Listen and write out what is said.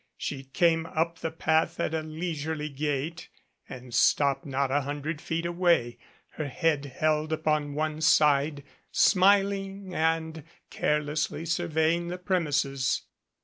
She came up the path at a leisurely gait, and stopped not a hundred feet away, her head held upon one side, smiling and carelessly surveying the premises.